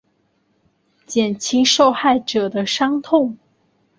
减轻受害者的伤痛